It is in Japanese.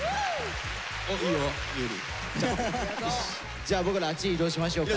じゃあ僕らあっち移動しましょうか。